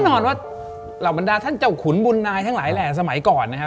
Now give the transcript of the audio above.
นอนว่าเหล่าบรรดาท่านเจ้าขุนบุญนายทั้งหลายแหล่สมัยก่อนนะฮะ